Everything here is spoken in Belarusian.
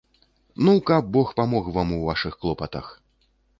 Ну, каб бог памог вам у вашых клопатах!